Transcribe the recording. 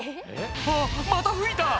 あっまた吹いた！